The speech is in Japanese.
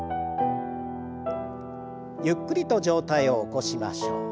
ゆっくりと上体を起こしましょう。